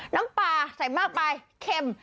น้ำปลาใส่มากไปเค็ม